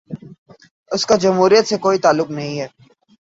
اس کا جمہوریت سے کوئی تعلق نہیں۔